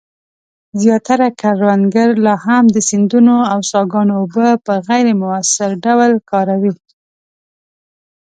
زیاتره کروندګر لا هم د سیندونو او څاګانو اوبه په غیر مؤثر ډول کاروي.